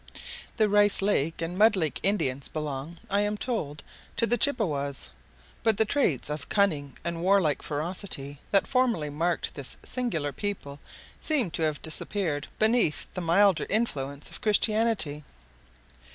The Rice Lake and Mud Lake Indians belong, I am told, to the Chippewas; but the traits of cunning and warlike ferocity that formerly marked this singular people seem to have disappeared beneath the milder influence of Christianity.